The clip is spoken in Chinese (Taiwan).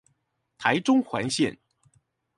台中環線